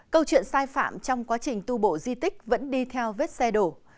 câu chuyện sai phạm trong quá trình tu bộ di tích vẫn đi theo vết xe đổ